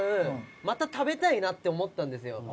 また食べたいなって思ったんですよ。